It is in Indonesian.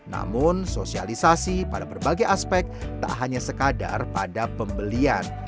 namun sosialisasi pada berbagai aspek tak hanya sekadar pada pembelian